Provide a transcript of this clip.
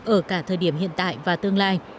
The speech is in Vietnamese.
ở cả thời điểm hiện tại và tương lai